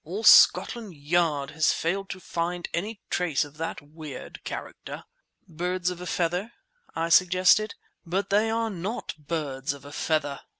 All Scotland Yard has failed to find any trace of that weird character!" "Birds of a feather—" I suggested. "But they are not birds of a feather!"